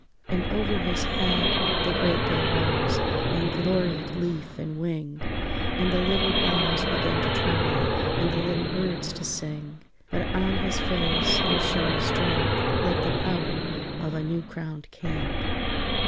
And over his head the great day rose And gloried leaf and wing, And the little boughs began to tremble, And the little birds to sing; But on his face there shone a strength Like the power of a new crowned king.